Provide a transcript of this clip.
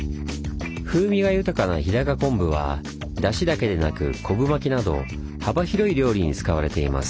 風味が豊かな日高昆布はだしだけでなく昆布巻きなど幅広い料理に使われています。